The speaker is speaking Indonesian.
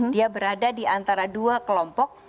dia berada di antara dua kelompok